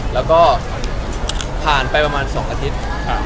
แล้วก็ผ่านไปประมาณ๒อาทิตย์